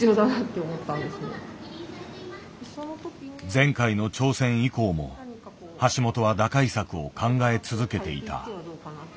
前回の挑戦以降も橋本は打開策を考え続けていた。